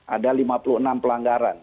ada lima puluh enam pelanggaran